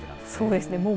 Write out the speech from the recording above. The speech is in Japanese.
そうですね。